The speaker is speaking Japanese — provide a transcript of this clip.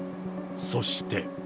そして。